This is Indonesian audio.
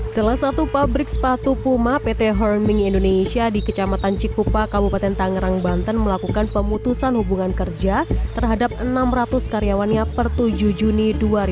salah satu pabrik sepatu puma pt herming indonesia di kecamatan cikupa kabupaten tangerang banten melakukan pemutusan hubungan kerja terhadap enam ratus karyawannya per tujuh juni dua ribu dua puluh